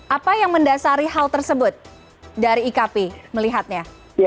apa yang mendasari hal tersebut dari ikp melihatnya